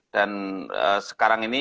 dan sekarang ini